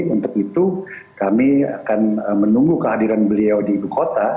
untuk itu kami akan menunggu kehadiran beliau di ibu kota